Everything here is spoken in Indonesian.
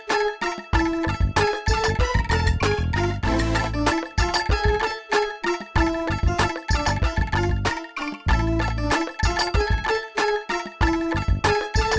semua itu pas karma